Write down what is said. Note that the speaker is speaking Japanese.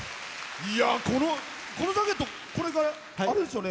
このジャケットこれあれですよね